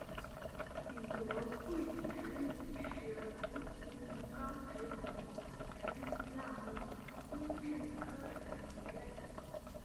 彼得桂脂鲤是辐鳍鱼纲脂鲤目脂鲤亚目鲑脂鲤科的一种鱼类。